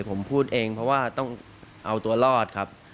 ผมพูดเองเพราะว่าต้องเอาตัวรอดครับ